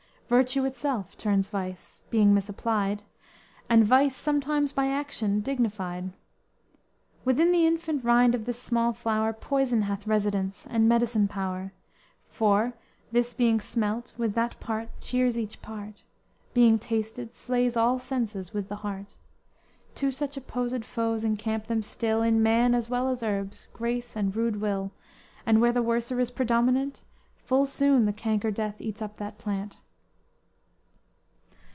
Virtue itself turns vice, being misapplied And vice sometimes by action dignified. Within the infant rind of this small flower, Poison hath residence and medicine power, For, this being smelt, with that part cheers each part, Being tasted, slays all senses with the heart. Two such opposed foes encamp them still In man as well as herbs, grace and rude will, And where the worser is predominant, Full soon the canker death eats up that plant!"